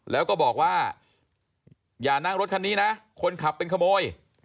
แล้วก็บอกว่าอย่านั่งรถคันนี้นะคนขับเป็นขโมย